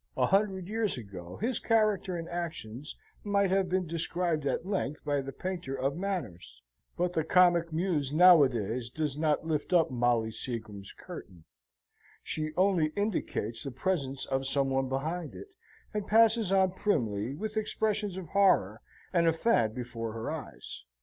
A hundred years ago his character and actions might have been described at length by the painter of manners; but the Comic Muse, nowadays, does not lift up Molly Seagrim's curtain; she only indicates the presence of some one behind it, and passes on primly, with expressions of horror, and a fan before her eyes.